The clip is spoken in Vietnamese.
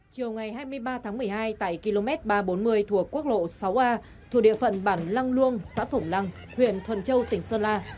chiều ngày hai mươi ba tháng một mươi hai tại km ba trăm bốn mươi thuộc quốc lộ sáu a thuộc địa phận bản lăng luông xã phổng lăng huyện thuận châu tỉnh sơn la